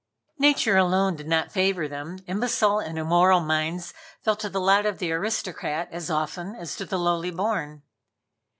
Nature alone did not favor them Imbecile and immoral minds fell to the lot of the aristocrat as often as to the lowly born.